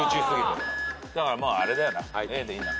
だからあれだよなＡでいいな？